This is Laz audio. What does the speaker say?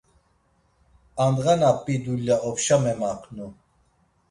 Andğa na p̌i dulya opşa memaǩnu.